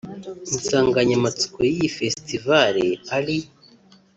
Insanganyamatsiko y’iyi Festival ari